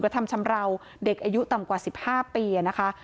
ทำชำราวเด็กอายุต่ำกว่า๑๕ปีนะคะ